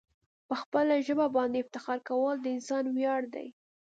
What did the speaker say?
په خپل ژبه باندي افتخار کول د انسان ویاړ دی.